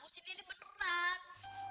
usin ini beneran